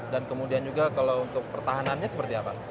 dan kemudian juga kalau untuk pertahanannya seperti apa